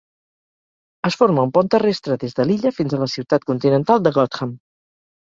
Es forma un pont terrestre des de l'illa fins a la ciutat continental de Gotham.